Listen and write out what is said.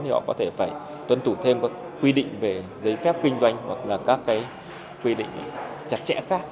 thì họ có thể phải tuân thủ thêm các quy định về giấy phép kinh doanh hoặc là các cái quy định chặt chẽ khác